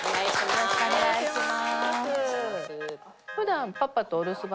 よろしくお願いします。